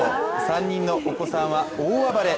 ３人のお子さんは大暴れ。